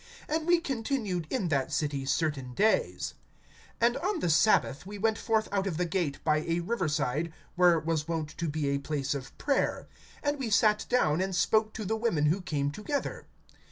And we continued in that city certain days. (13)And on the sabbath, we went forth out of the gate by a river side, where was wont to be a place of prayer; and we sat down, and spoke to the women who came together.